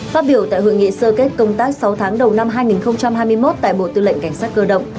phát biểu tại hội nghị sơ kết công tác sáu tháng đầu năm hai nghìn hai mươi một tại bộ tư lệnh cảnh sát cơ động